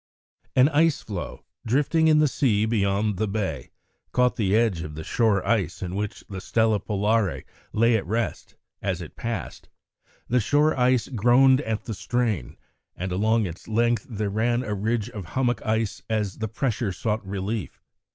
An ice floe, drifting in the sea beyond the bay, caught the edge of the shore ice, in which the Stella Polare lay at rest, as it passed. The shore ice groaned at the strain, and along its length there ran a ridge of hummock ice as the pressure sought relief.